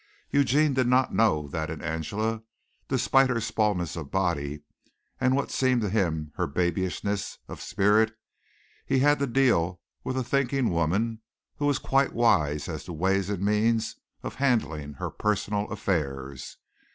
Eugene did not know that in Angela, despite her smallness of body and what seemed to him her babyishness of spirit, he had to deal with a thinking woman who was quite wise as to ways and means of handling her personal affairs.